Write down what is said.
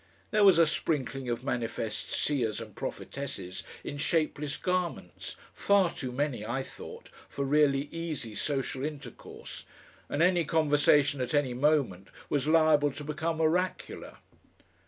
There was a sprinkling of manifest seers and prophetesses in shapeless garments, far too many, I thought, for really easy social intercourse, and any conversation at any moment was liable to become oracular.